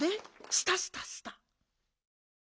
スタスタスタ。